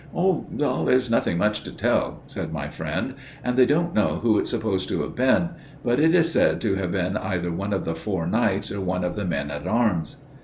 "'Oh! there's nothing much to tell,' said my friend; 'and they don't know who it's supposed to have been; but it is said to have been either one of the four knights, or one of the men at arms.